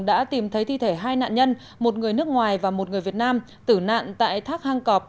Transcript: đã tìm thấy thi thể hai nạn nhân một người nước ngoài và một người việt nam tử nạn tại thác hang cọp